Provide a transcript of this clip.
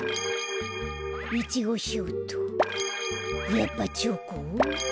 やっぱチョコ？